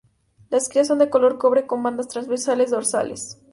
La crías son de color cobre con bandas transversales dorsales.